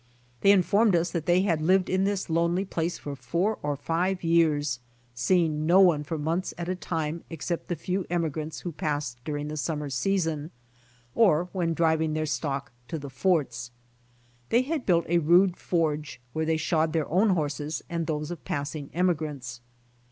They informed us that they had lived in this lonely place for four or five years, seeing no one for months at a time, except the few^ emigrants who passed during the summer season, or when driving their stock to the forts. They had built a rude forge, where they shod their own horses and those of passing emigrants.